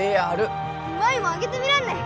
舞もあげてみらんね。